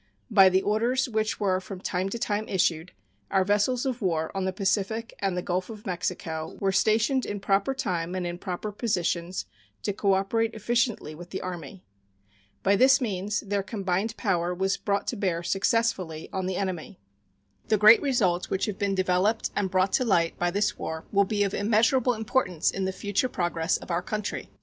By the orders which were from time to time issued, our vessels of war on the Pacific and the Gulf of Mexico were stationed in proper time and in proper positions to cooperate efficiently with the Army. By this means their combined power was brought to bear successfully on the enemy. The great results which have been developed and brought to light by this war will be of immeasurable importance in the future progress of our country.